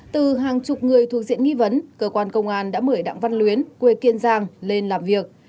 từ hàng chục người thuộc diện nghi vấn cơ quan công an đã mời đặng văn luyến quê kiên giang lên làm việc